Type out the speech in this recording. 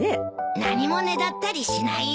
何もねだったりしないよ。